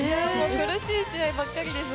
苦しい試合ばっかりです。